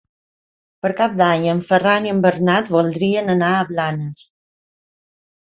Per Cap d'Any en Ferran i en Bernat voldrien anar a Blanes.